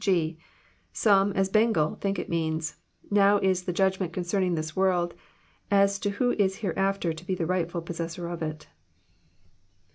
(g) Some, as Bengel, think it means, '* Now is the judgment concerning this world, as to who is hereafter to be the rightftil possessor of it."